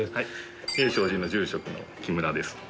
栄照寺の住職の木村です。